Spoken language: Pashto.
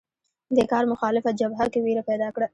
دې کار مخالفه جبهه کې وېره پیدا کړه